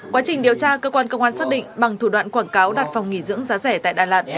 quá trình điều tra cơ quan công an xác định bằng thủ đoạn quảng cáo đặt phòng nghỉ dưỡng giá rẻ tại đà lạt